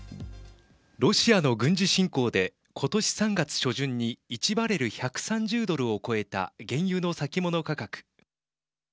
ロシアの軍事侵攻で今年３月初旬に１バレル＝１３０ドルを超えた原油の先物価格。